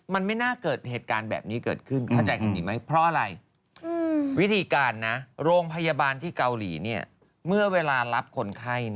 มันไม่น่าเกิดเหตุการณ์แบบนี้เกิดขึ้น